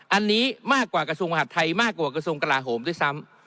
อันนี้มากกว่ากระทรวงมหาดไทยมากกว่ากระทรวงกลาโหมด้วยซ้ำ